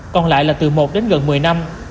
còn lại là từ một đến gần một mươi năm